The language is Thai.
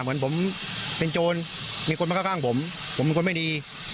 เหมือนผมเป็นโจรมีคนมาเข้าข้างผมผมเป็นคนไม่ดี